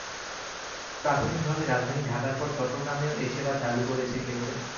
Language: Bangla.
প্রাথমিকভাবে রাজধানী ঢাকার পর চট্টগ্রামেও এ সেবা চালু করেছে কেউ কেউ।